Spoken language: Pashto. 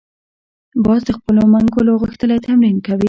باز د خپلو منګولو غښتلي تمرین کوي